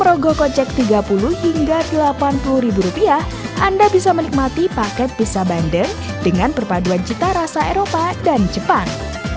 rogo kocek tiga puluh hingga delapan puluh ribu rupiah anda bisa menikmati paket pizza bandeng dengan perpaduan cita rasa eropa dan jepang